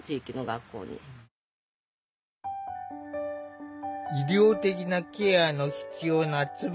医療的なケアの必要な椿さん。